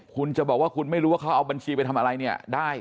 คุณจะบอกว่าคุณไม่รู้ว่าเขาเอาบัญชีไปทำอะไรเนี่ยได้